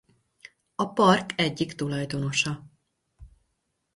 A park egyik tulajdonosa.